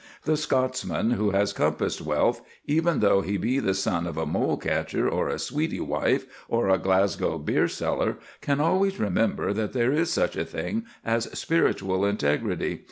The Scotsman who has compassed wealth, even though he be the son of a mole catcher or a sweetie wife or a Glasgow beer seller, can always remember that there is such a thing as spiritual integrity.